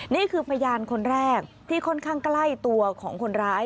นี่คือพยานคนแรกที่ค่อนข้างใกล้ตัวของคนร้าย